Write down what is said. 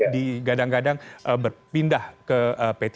di gadang gadang berpindah ke p tiga